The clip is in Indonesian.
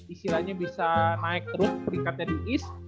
istilahnya bisa naik terus peringkatnya di east